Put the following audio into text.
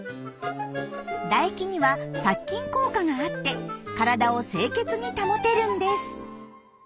唾液には殺菌効果があって体を清潔に保てるんです。